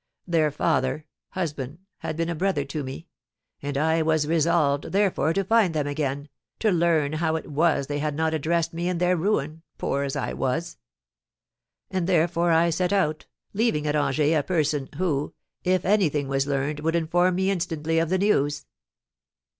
Their father husband had been a brother to me, and I was resolved, therefore, to find them again, to learn how it was they had not addressed me in their ruin, poor as I was; and therefore I set out, leaving at Angers a person who, if anything was learned, would inform me instantly of the news."